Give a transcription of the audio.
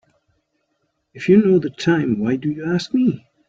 If you know the time why do you ask me?